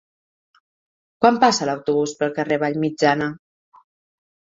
Quan passa l'autobús pel carrer Vallmitjana?